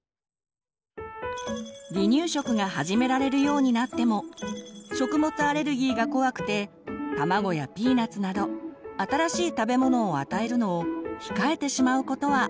離乳食が始められるようになっても食物アレルギーが怖くて卵やピーナツなど新しい食べ物を与えるのを控えてしまうことはありませんか？